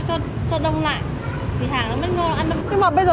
thì nó lại chuyển hàng công thì nó từ kukulana lên